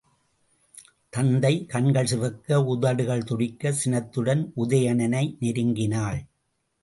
தத்தை கண்கள் சிவக்க உதடுகள் துடிதுடிக்கச் சினத்துடன் உதயணனை நெருங்கினாள்.